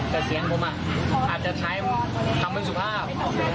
แต่เสียงผมอาจจะใช้คำไม่สุภาพ